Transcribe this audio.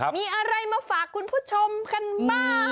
มีอะไรมาฝากคุณผู้ชมกันบ้าง